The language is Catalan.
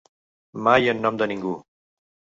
Mai en nom de ningú.